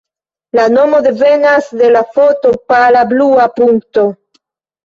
La nomo devenas de la foto Pala Blua Punkto.